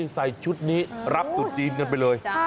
ใส่ชุดนี้รับตุดจีนกันไปเลย